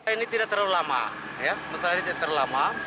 ini tidak terlalu lama